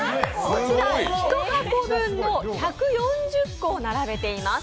１箱分の１４０個を並べています。